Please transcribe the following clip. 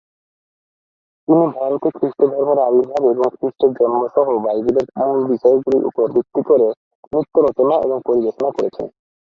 তিনি ভারতে খ্রিস্টধর্মের আবির্ভাব এবং খ্রিস্টের জন্ম সহ বাইবেলের মূল বিষয়গুলির উপর ভিত্তি করে নৃত্য রচনা এবং পরিবেশনা করেছেন।